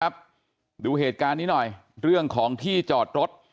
ดูเหตุการณ์นี้หน่อยเรื่องของที่จอดรถ